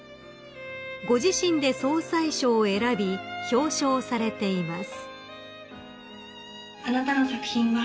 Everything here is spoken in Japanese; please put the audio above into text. ［ご自身で総裁賞を選び表彰されています］